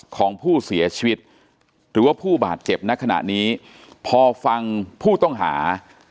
ของผู้เสียชีวิตหรือว่าผู้บาดเจ็บณขณะนี้พอฟังผู้ต้องหา